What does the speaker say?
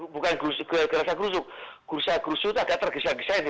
bukan gerasa krusuk gerasa krusuk agak tergesa gesa ini